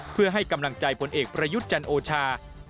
เพื่อให้กำลังใจผลเอกประยุทธ์จันโอชา